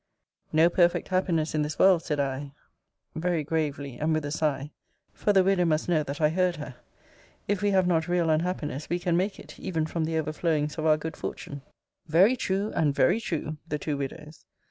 No perfect happiness in this world, said I, very gravely, and with a sigh; for the widow must know that I heard her. If we have not real unhappiness, we can make it, even from the overflowings of our good fortune. Very true, and very true, the two widows.